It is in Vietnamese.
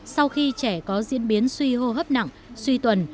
sau khi trẻ có diễn biến suy hô hấp nặng suy tuần